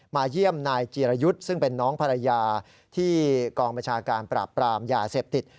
เยี่ยมนายจีรยุทธ์ซึ่งเป็นน้องภรรยาที่กองบัญชาการปราบปรามยาเสพติด